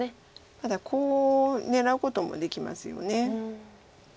ただコウを狙うこともできますよね。